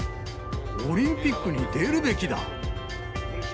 オリンピックに出るべきだ。